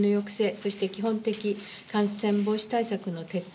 そして基本的感染防止対策の徹底。